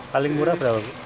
paling murah berapa